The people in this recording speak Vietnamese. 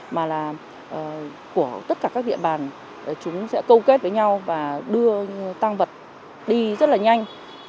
mà là của tất cả các địa bàn chúng sẽ câu kết với nhau và đưa tăng vật đi rất là nhanh